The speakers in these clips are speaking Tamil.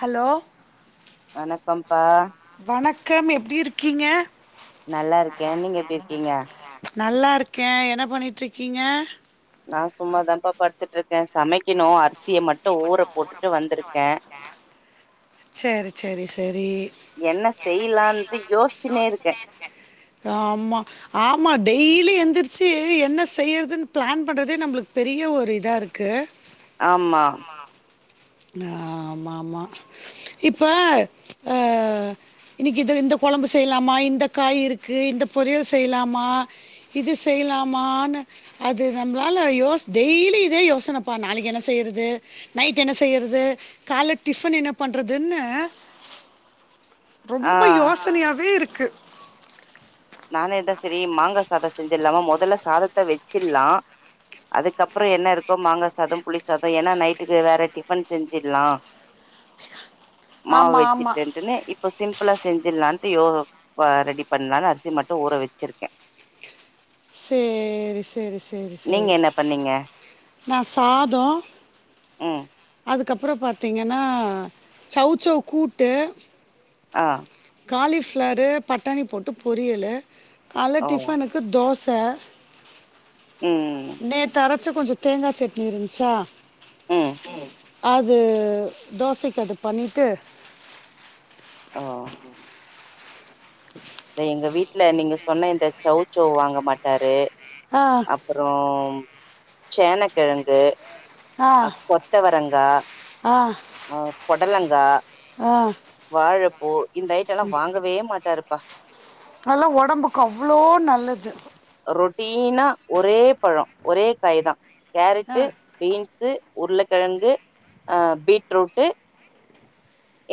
ஹலோ வணக்கம்பா வணக்கம் எப்டிஇருக்கீங்க நல்லா இருக்கே நீங்க எப்டி இருக்கீங்க நல்லா இருக்கே என்ன பண்ணிட்டு இருக்ககீங்க நா சும்மா தாம்ப்பா பட்த்துட்டு இருக்கே சமைக்கணு அ சிய மட்டூ ஊற போட்டுட்டு வந்திருக்கே சரி சரி சரி என்ன செய்யலான்து யோசிச்சுன்னே இருக்கே ஆம்மா ஆமா டெய்லி எந்திரிச்சு என்ன செய்யறதுன்னு பிளான் பண்றதே நம்மளுக்கு பெரிய ஒரு இதா இருக்கு ஆம்மா ஆ மா மா இப்ப ஆ இன்னிக்கு இது இந்த கெழம்பு செய்யலாமா இந்த காய் இருக்கு இந்த பொரியல் செய்லாமா இது செய்லாமான்னு அது நம்மளால யோஸ் டெய்லி இதே யோசனைப்பா நாளைக்கு என்ன செய்யறது நைட் என்ன செய்யறத் இது கால்ல டிஃபன் என்ன பண்றதுன்னு ஆ ரொம்ப யோசனையாவே இருக்கு நானே தா சரி மாங்கா சாதே செஞ்சிட்லாமா மெதல்ல சாதத்த வெச்சிட்லா அதுக்கப்புறோ என்ன இருக்கோ மாங்கா சாதெ புளிசாதெ ஏன்னா நைட்டுக்கு வேற டிஃபன் செஞ்சிட்லா [unintelligible] மாவு ஆமா, ஆமா. வெச்சுட்அன்டன்னு இப்ப சிம்ப்ள்ளா செஞ்சுலான்ட்டு யோ அ ரெடி பண்ணலான்னு அரிசி சி மட்டு ஊறவச்சுற்க்க சேரி சேரி சேரி நீங்க செரி என்ன பண்ணீங்க நா சாதொ ம் அதுக்கப்ற பாத்திங்கன்னா சௌவ் சௌவ் கூட்டு அ காலிஃப் ஃபிளாரு பட்டாணி போட்டு பொரியலு கால்ல ஓ டிஃபனுக் க்கு தோச ம் நேத்தரச்ச கொஞ்ச தேங்கா சட்னி இருந்ச்சா ம். அது தோசக் அது பண்ணிட்டு ஒ [inaudible] எங்க வீட்ல நீங்க சொன்ன இந்த சௌசௌ வாங்கமாட்டாரு அ அப்றோ சேனக்கெழங்கு ஆ அக் கொத்தவரங்கா ஆ ஓ பொடலங்கா ஆ வாழப்பூ இந்த ஐட்டல்லா வாங்கவே மாட்டாருப்பா அதுல்லா ஒடம்புக்கு அவ்ளோ நல்லது ரொட்டீனா ஒரே பழொ ஒரே காய்தா ஆ கேரட்டு பீன்ஸ்சு உருளக்கெழங்கு அ பீட்ரூட்டு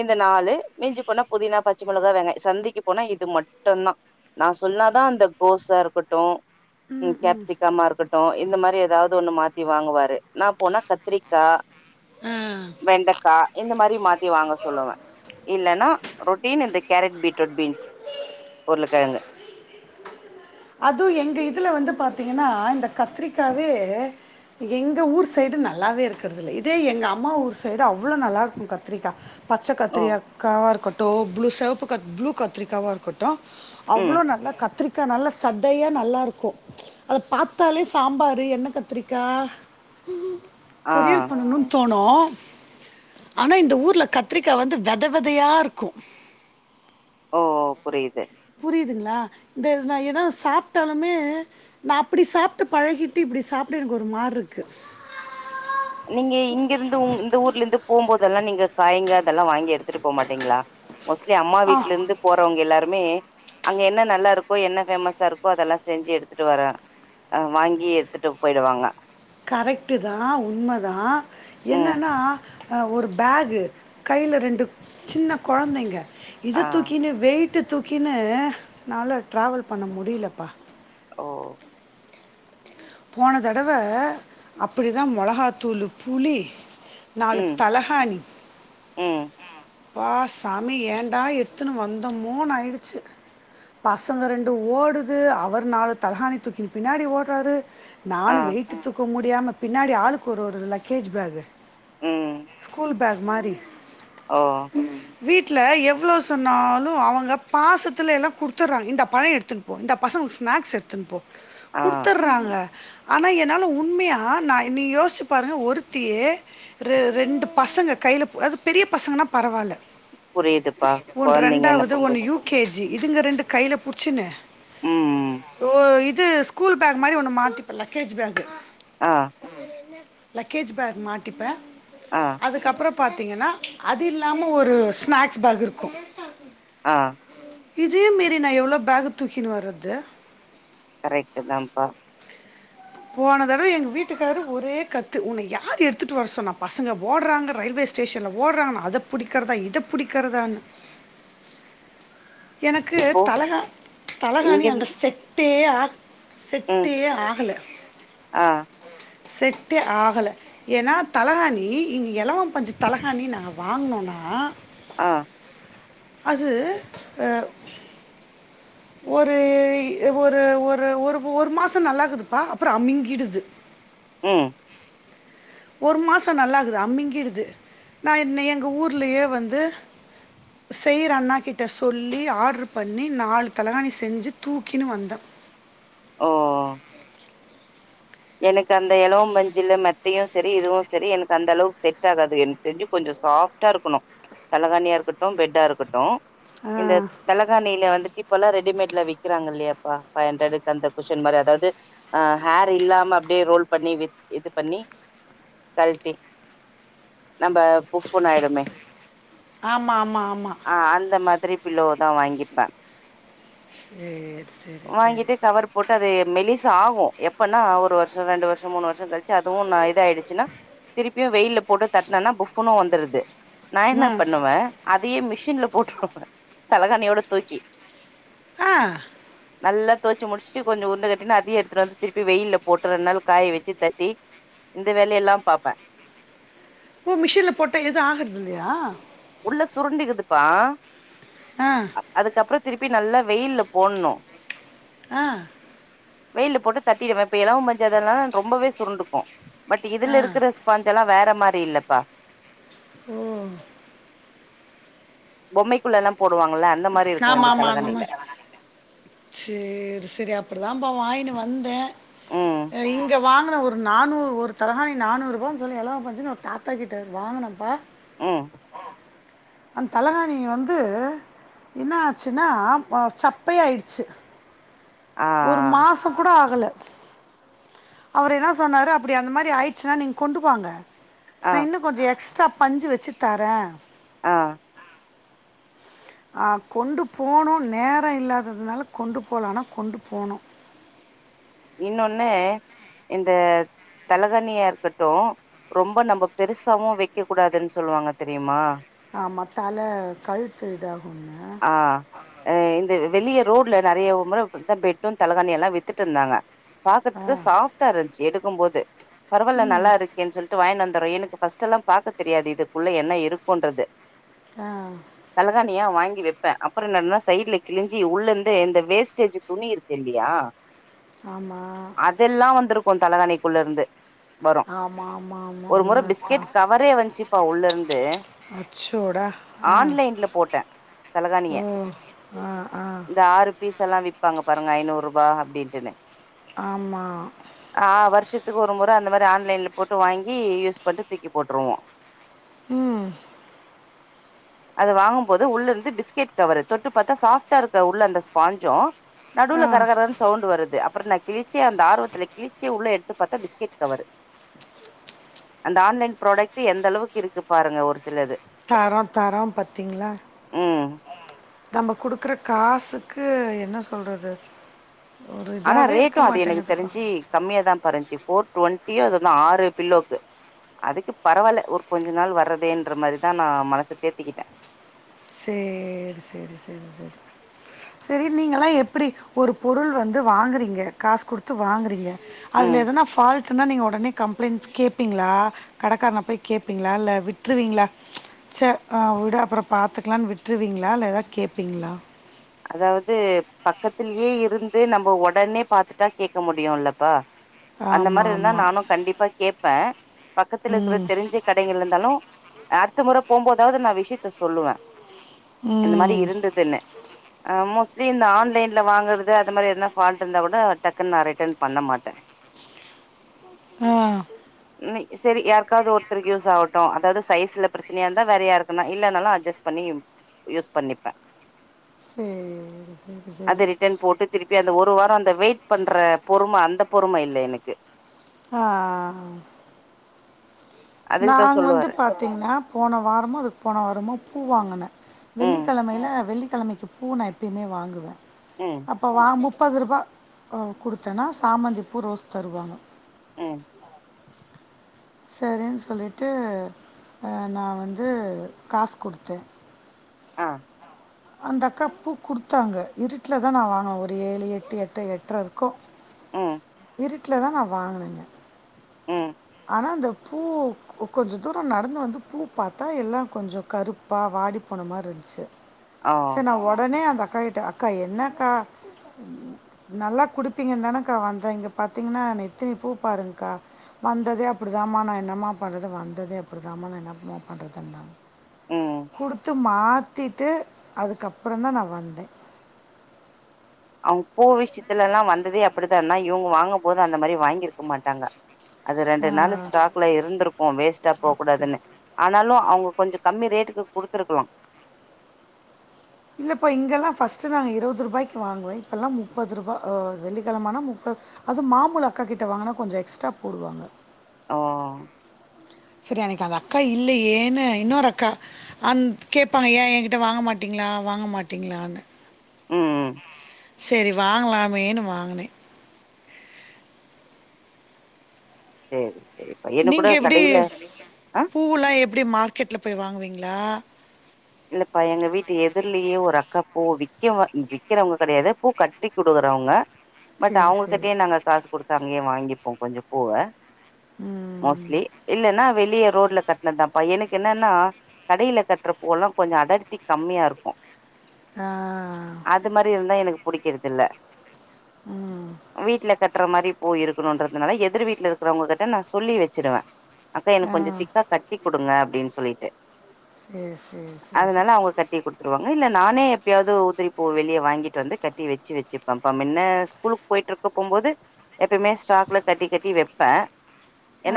இந்த நாலு மிஞ்சிப்போனா புதினா பச்ச மொளகா வெங்காய சந்தைக்கு போனா இது மட்டுந்தா நா சொன்னாதா அந்த கோசா இருக்கட்டு கேப்சிக்கமா இருக்கட் ட்டு இந்த மாரி ஏதாவ்து ஒண்ணு மாத்தி வாங்குவாரு நா போனா கத்ரிக்கா ஆ வெண்டக்கா இந்த மாரி மாத்தி வாங்க சொல்லுவ இல்லன்னா ரொட்டின் இந்த கேரட் பீட்ரூட் பீன்ஸ் உருளக்கெழங்கு அதும் எங்க இதுல வந்து பாத்தீங்கன்னா இந்த கத்ரிக்காவே எங்க ஊர் சைடு நல்லாவே இருக்கறதுல்ல இதே எங்க அம்மா ஊர் சைடு அவ்ளோ நல்லா இருக்கும் கத்ரிக்கா பச்ச ஓ கத்தரி அக்காவா இருக்கட்டு ப்ளூ செவப்பு கத் ப்ளூ கத்ரிக்காவா இருக்கட்டும் ம் அவ்ளோ நல்லா கத்ரிக்கா நல்லா தத்தயா நல்லா இருக்கும் அத பாத்தாலே சாம்பாரு எண்ணெ கத்ரிக்கா ஆ பொரியல் பண்ணனு தோணு அனா இந்த ஊர்ல கத்ரிக்கா வந்து வெத வெதயாருக்கூ ஒ புரியிது புரியுதுங்களா ந்த எத்னா நா எதனா சாப்ட்டாலுமே நா அப்டி சாப்ட்டு பழகிட்டு இப்டி சாப்பட எனக் ஒரு மாற்ருக்கு நீங்க இங்கர்ந்து இந்த ஊர்லரந்து போம்போதெல்லா நீங்க காய்ங்க அதல்லா வாங்கி எடுத் எடுத்துட்டு போ மாட்டீங்ளா மோஸ்லி அம்மா ஆ வீட்லெந்து போறவங்க எல்லாருமே அங்க என்ன நல்லாருக்கோ என்ன ஃபேமஸாருக்கோ அதெல்லா செஞ்சு எடுத்துட்டு வர அ வாங்கி எட்த்துட்டு போய்டுவாங்க கரெக்டுதா உண்மதா ம் என்னன்னா அ ஒருபேகு கைல ரெண்டு சின்ன கொழந்தைங்க ஆ இத தூக்கினு வெயி ட்டு தூக்கினு என்னால ட்ராவல் பண்ண முடியலப்பா ஓ போன தடவ அப்புடிதா மொளகாத்தூளு புளி நாலு ம் தலஹாணி ம் ப்பா சாமி ஏன்டா எட்த்துன்னு வந்தமோன்னு ஆயிடுச்சு பசங்க ரெண்டும் ஓடுது அவர் நாலு தலகாணி தூக்கின்னு பின்னாடி ஓட்றாரு ஆ நானும் வெய்ட்டு தூக்க முடியாம பின்னாடி ஆளுக்கு ஒரு ஒரு லக்கேஜ் பேகு ஸ்கூல் பேக் மாறி அவா வீட்ல எவ்ளோ சொன்னாலு அவங்க பாசத்துல எல்லா குடுத்தட்றாங்க இந்த பழோ எடுத்துன்னு போ இந்தா பசங்களுக்கு ஸ்மேக்ஸ் எடுத்துன்னு போ ஆ குடுத்தட்றாங்க ஆனா என்னால உண்மையா நா நீ யோசிச்சி பாருங்க ஒருத்தியே ரெ ரெண்டு பசங்க கைல அதும் பெரிய பசங்கன்னா பரவால்ல புரியுதுப்பா ஒன் கொழந்தைங்க ரெண்டாவது அனுப்பும்போ ஒன்னு யூ கே ஜி இதுங்க ரெண்டும் கைல புடிச்சுன்னு ம் ம் ஓ இது ஸ்கூல் பேக் மாறி ஒன்னு மாட்டிபே லக்கேஜ் பேகு ஆ ம் லக்கேஜ் பேக் மாட்டிப்பே ஆ அதுக்கப்புறம் பாத்தீங்கன்னா அது இல்லாம ஒரு ஸ்மேக்ஸ் பேக் இருக்கும் ஆ இதே மீறி நா எவ்ளோ பேகு தூக்கின்னு வர்றது கரெக்ட்டு தாம்பா போன தடவ எங்க வீட்டுக்காரு ஒரே கத்து உன்ன யாரு எடுத்துட்டு வர சொன்னா பசங்க ஓட்றாங்க ரயில்வேஷ் ஸ்டேஷன்ல ஓட்றாங்க நா அதப் புடிக்கறதா இத புடிக்கிறதானு எனக்கு இப்போ தலகா தலகாணி இங்கந் அங்க செட்டே ஆகா ம் செட்டே ஆகல ஆ செட்டே ஆகல ஏன்னா தலகாணி இங் எளவ பஞ்சு தலகாணி நாங்க வாங்குனோன்னா அ அது அ ஒரு ஒரு ஒரு ஒரு ஒரு மாசோ நல்லாக்குதுப்பா அப்பறோ அமிங்கிடுது ம் ஒரு மாச நல்லாக்குது அமிங்கிடுது நா என் எங்க ஊர்லயே வந்து செயிற அண்ணா கிட்ட சொல்லி ஆர்டரு பண்ணி நால் தலகாணி செஞ்சு தூக்கின்னு வந்த ஓ எனக்கு அந்த எளவ பஞ்சல மெத்தையு சரி இதுவு சரி எனக்கு அந்த அளவுக்கு செட் ஆகாது எனக்கு தெரிஞ்சு கொஞ்ச சாஃப் ட்டா இருக்கணு தலைகாணியா இருக்கட்டு பெட்டா இருக்கட்டு ஆ இந்த தலகாணில வந்துட்டு இப்பல்லா ரெடிமேட்ல விக் விக்கறாங்க இல்லையாப்பா ஃபைவ் ஹண்ரட்க்கு அந்த குசன் மாறி அதாவது அ ஹேர் இல்லா சும்மா அப்டியே ரோல் பண்ணி இது பண்ணி கழிட்டி நம்ப புஃப்புன்னு ஆயிடுமே ஆமா ஆமா ஆமா ஆ அந்த மாதிரி பில்லோவதா வாங்கி இருந்தா சரி சரி சரி வாங்கிட்டு கவர் போட்டு அது மெலிஸ் ஆவும் எப்பன்னா ஒரு ஒரு வருஷம் ரெண்டு வருஷம் மூனு வருஷம் கழிச்சு அதுவும் நா இது ஆயிடுச்சின்னா திருப்பியு வெயில்ல போட்டு தட்னன்னா புஃப்ன்னு வந்துடுது நா என்ன ஆ பண்ணுவே அதையு மிஷின்ல போட்ருவ தலகாணியோட தூக்கி ஆ நல்லா தொவச்சி முடிச்சிட்டு கொஞ்ச உருண்டு கட்டினு அதையு எடுத்துட்டு வந்து திருப்ப வெயில போட்டு ரெண்டு நாள் காய வச்சு தட்டி இந்த வேலை எல்லா பாப்பே ஓ மிஷின்ல போட்டா எது ஆகறது இல்லையா உள்ள சுருண்டிக்குதுப்பா ஆ அதுக்கப்பற திருப்பி நல்லா வெயில்ல போடணு ஆ வெயில்ல போட்டு தட்டிடுவே இப்ப எல பஞ்சா இருந்த நால ரொம்பவே சுருண்டுக்கு பட் ஆ இதுல இருக்கிற ஸ்பான்ஸ் எல்லா வேற மாரி இல்லப்பா ம் பொம்மைக்குள்ள எல்லா போடுவாங்கள அந்த மாரி இருக்கு ஆமா இந்த ஆமா அந்த தலைகாணியில மாரி சேரி சரி அப்படிதான்ப்ப வாங்கினு வந்த ம் இங்க வாங்கின ஒரு நானூறு ஒரு தலகானி நானூரூபான்னு சொல்லி எளவ பஞ்சனு ஒரு தா த்தா கிட்ட வாங்கனப்பா ம் அந்த தலைகாணி வந்து என்ன ஆச்சுனா அ சப்பையா ஆயிடுச்சு ஆ ஒரு மாச கூட ஆகல அவரு என்ன சொன்னாரு அப்படி அந்த மாரி ஆயிடுச்சுன்னா நீங்க கொண்டு வாங்க ஆ நா இன்னு கொஞ்ச எக்ஸ்ட்ரா பஞ்சு வச்சு தரே ஆ ஆ கொண்டு போணு நேர இல்லாததுனால கொண்டு போல ஆனா கொண்டு போணு இன்னொன்னு இந்த தலகானியா இருக்கட்டு ரொம்ப நம்ம பெருசாவு வெக்க கூடாதுன்னு சொல்லுவாங்க தெரியுமா ஆமா தல கழுத்து இதாகுங்க ஆ இந்த வெளிய ரோட்ல நெறைய முறை பெட்டு தலைகாணி எல்லா வித்துட்ருந்தாங்க பாக்குறதுக்கு சாப்ட்டா இருந்துச்சு எடுக்கும்போது பரவால்ல நல்லாருக் கே சொல்ட்டு வாங்கினு வந்துறே எனக்கு பஸ்ட் எல்லா பாக்க தெரியாது இதுக்குள்ள என்ன இருக்குன்னு ஆ தலகாணியா வாங்கி வைப்பே அப்பற என்னடன்னா சைல கிழிஞ்சி உள்ளந்து இந்த வேஸ்டேஜ் துணி இருக்கு இல்லையா ஆமா அதெல்லா வந்திருக்கு தலகாணிக்குள்ள இருந்து வரு ஆமாம் ஆமாம் ஆமாம் ஒரு முற உண்மை பிஸ்கெட் தான் கவரே வஞ்ச்சுப்பா உள்ள இருந்து. அச்சோடா ஆ ஆன்லைன்ல போட்டே. தலகாணிய ஓ ஆ ஆ இந்த ஆறு.. பீஸ் எல்லா விப்பாங்க பாருங்க ஐநூறு ரூபா அப்படின்ட்டுனு.. ஆமா.. ஆ வருஷத்துக்கு ஒரு முற அந்த மாரி ஆன்லைன்ல போட்டு வாங்கி யூஸ் பண்ட்டு தூக்கி போட்ருவோ. ம் அத வாங்கும்போது உள்ள இருந்து பிஸ்கெட் கவரு. தொட்டு பாத்தா சாஃப்ட்டா இருக்கு உள்ள அந்த ஸ்பாஞ்சு. நடுவுல ஆ கரகரன்னு சவுண்ட் வருது அப் அப்பற நா கிளிச்சே அந்த ஆர்வத்துல கிளிச்சே உள்ள எடுத்து பாத்த பிஸ்கெட் கவரு ச் ச் அந்த ஆன்லைன் ப்ரொடக்ட்டு எந்த அளவுக்கு இருக்கு பாருங்க ஒரு சிலது தரோ தரோ பாத்தீங்களா ம் நம்ம குடுக்குற காசுக்கு என்ன சொல்றது ஒரு இதாவே இருக்க மாட்டேங்கதுப்பா கம்மியா தாம்ப்பா இருந்துச்சு போர் டுவெண்டியோ அதுதா ஆறு பில்லோக்கு அதுக்கு பரவால்ல ஒர் கொஞ்ச நாள் வர்றதேன்ற மாரி தா நா மனச தேத்திக்கிட்டே. சேர் செர் செர் செர். சரி நீங்கல்லா எப்படி ஒரு பொருள் வந்து வாங்கறீங்க காசு குடுத்து வாங்கறீங்க. அதுல ம் எதனா ஃபால்ட்.. டுன்னா நீங்க ஒடனே கம்ப்ளைண்ட் கேப்பீங்ளா கடைக்காரன போய் கேப்பீங்ளா இல்ல விட்ருவீங்களா? ச்ச அ விடு அப்புற பாத்துக்கலான் விட்ருவீங்ளா இல்ல ஏதா கேப்பீங்ளா? அதாவது பக்கத்திலயே இருந்து நம்ப ஒடனே பாத்துட்டா கேட்க முடியு இல்லப்பா. அந்த மார் ஆமாம் இருந்தா ஆமாம் நானு கண்டிப்பா கேப்ப. பக்கத்துல இக்கிற ம் தெரிஞ்ச.. கடைகள் இந்தாலு அட்த்த முற போம்போதாவது நா விஷயத்த சொல்லுவ. அந்த மாரி ம் இருந்ததுனு.. அ மேஸ்ட்லி இந்த ஆன்லைன்ல வாங்குறது அது மாரி எதனா ஃபால்ட் இருந்தா கூட டக்குன் நா ரிட்டன் பண்ண மாட்டே. [inaudible] ஆ [inaudible] இன்னை சரி யார்க்காவது ஒருத்தருக்கு யூஸ் ஆவட்டு அதாவது சைஸ்ல பிரச்சனையா இருந்தா வேற யாருக்குன்னா இல்லைனாலு அஜ்ஜஸ் பண்ணி.. யூஸ் பண்ணிப்பே. சேரி. அத ரிட்டன் போட்டு திருப்பி அந்த ஒரு வாரொ அந்த வெயிட் பண்ற பொறும அந்த பொறும இல்ல எனக்கு. ஆ.. அதுக்குதா நாங் வந்து சொல்லுவாரு பாத்திங்னா போன வாரமோ அதுக் போன வாரமோ பூ வாங்குன. ம் வெள்ளிக்கெழமையில வெள்ளிக்கிழமைக்கு பூ நா எப்போமே வாங்குவெ. ம் அப்போ வா முப்பது ரூபா அ குடுத்தேனா சாமந்தி பூ ரோஸ் தருவாங்க. ம் சரின் சொல்லிட்டு அ நா வந்து காஸ் கொடுத்த. ஆ அந்த அக்கா பூ குடுத்தாங்க. இருட்ல தான் நா வாங்குன, ஒரு ஏழு, எட்டு, எட்டு, எட்டரை இருக்கு. ம் இருட்ல தா நா வாங்குன இங்க. ம் ஆனா அந்த பூ.. கொ கொஞ்சோ தூர நடந்து வந்து பூ பாத்தா எல்லா கொஞ்ச கருப்பா வாடி போன மாரி இருந்துச்சு ஆ செர் நா ஒடனே அந்த அக்கா கிட்டே அக்கா என்ன அக்கா நல்லா குடுப்பீங்க தானேக்கா வந்தே இங்க பாத்தீங்கன்னா நேத்தினி பூ பாருங்க்கா வந்ததே அப்டிதாம்மா நா என்னமா பண்ணறது வந்ததே அப்டிதாம்மா நா என்னமா பண்ணுறதுன்னாங்க ம் குடுத்து மாத்திட்டு அதுக்கப்பறோ தா நா வந்தே அவுங்க பூ விஷ்யத்துல எல்லா வந்ததே அப்டிதான்னா இவுங்க வாங்கு போது அந்த மாரி வாங்கிருக்க மாட்டாங்க அது ரெண்டு ஆ. நாளு ஸ்டாக் குள்ள இருந்திருக்கு வேஸ்ட்டா போ அப்டி. கூடாதுன்னு ஆனாலு அவுங்க கொஞ்ச கம்மி ரேட்டுக்கு குடுத்துருக்கலா இல்லப்போ இங்கெல்லா ஃபர்ஸ்ட்டு நாங்க இருபது ரூபாய்க்கு வாங்குவே இப்பொல்லா முப்பது ரூபாயா ஆ வெள்ளிக்கெழமா ஆன முப்ப அது மாமுழ அக்காகிட்ட வாங்குன்னா கொஞ்ச எக்ஸ்ட்ரா போடுவாங்க ஆ சரி அன்னைக்கு அந்த அக்கா இல்லயேன்னு இன்னொரு அக்கா.. அந் கேப்பாங்க ஏ எங்கிட்ட வாங்க மாட்டீங்ளா வாங்க மாட்டீங்ளான்னு. ம் செரி வாங்கலாமேன்னு வாங்கினே ம் [inaudible] நீங்க எப்டி பூலா எப்டி மார்க்கெட்ல போய் வாங்குவீங்களா இல்லப்பா எங்க வீட்டு எதிர்லியே ஒரு அக்காப்பூ விற்கவ விக்கிறவங்க கெடையாது பூ கட்டி குடுக்குறவங்க பட் சரி சரி அவுங்ககிட்டயே நாங்க காசு குடுத்த அங்கயே வாங்கிப்போ கொஞ்ச பூவா ம் ம் மோஸ்ட்லி இல்லன்னா வெளிய ரோட்ல கட்னதுதான்ப்பா எனக்கு என்னன்னா கடையில கட்ற பூவெல்லா கொஞ்ச அடர்த்தி கம்மியா இருக்கு ஆ அது மாரி இருந்தா எனக்கு புடிக்கிறது இல்ல ம் வீட்ல கட் டுற மாரி பூ இருக்கணும்றதுனால எதிர் வீட்ல இருக்கவங்ககிட்ட நா சொல்லி வச்சிருவே அக்கா ஆ எனக்கு கொஞ்சோ திக்கா கட்டி குடுங்க அப்டின் சொல்லிட்டு செரி செ அதுனால அவுங்க கட்டி குடு துருவாங்க இல்ல நானே எப்பயாவ்து உதிரி பூ வெளிய வாங்கிட்டு வந்து கட்டி வச்சு வச்சுப்பப்பா மின்ன ஸ்கூலு போய்ட்ருக்க போம்போது எப்பயுமே ஸ்டாக்ல கட்டி கட்டி வெப்பே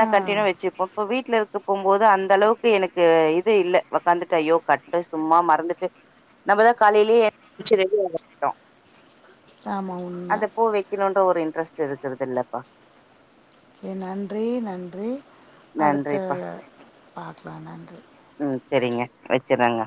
ஆ கண்டினியூ வச்சிப்ப இப்ப வீட்ல இருக் கும்போது அந்த அளவுக்கு எனக்கு இது இல்ல வாகாந்து தையோ கட்டு சும்மா மறந்துட்டு நம்பதா காலைலயே [inaudible] ரெடி ஆயிட்டோ ஆமாம் அந்த உண்மை பூ வைக்கணும்ன்ற ஒரு இன்ட்ரெஸ்ட்டு இருக்கிறதுல்லப்பா ஓகே நன்றி நன்றி அடுத்த நன்றிப்பா பாக்கலா நன்றி ம் செரிங்க வச்சுறேங்க